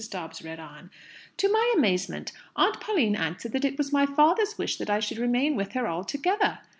Dobbs read on: "To my amazement, Aunt Pauline answered that it was my father's wish that I should remain with her altogether!